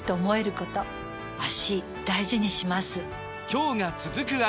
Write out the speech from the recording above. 今日が、続く脚。